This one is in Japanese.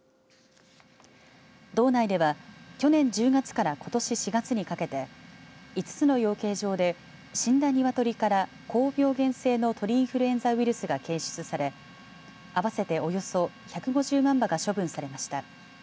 道内では去年１０月からことし４月にかけて５つの養鶏場で死んだ鶏から高病原性の鳥インフルエンザウイルスが検出され合わせておよそ１５０万羽が処分されました。